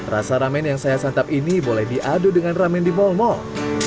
rasa ramen yang saya santap ini boleh diadu dengan ramen di mal mal